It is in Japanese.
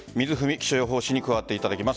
気象予報士に加わっていただきます。